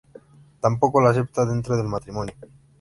Tampoco lo acepta dentro del matrimonio.